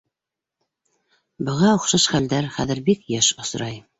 Быға оҡшаш хәлдәр хәҙер бик йыш осрай.